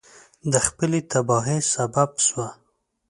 د خپلې تباهی سبب سوه.